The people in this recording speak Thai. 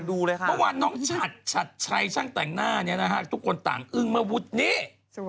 ก็ว่านอกชัดเฉยช่างแต่งหน้านี้ทุกคนต่างอึนมาวดหลุดเนี่ย